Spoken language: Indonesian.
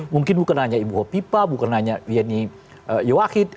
mungkin bukan hanya ibu kofifa bukan hanya yeni wahid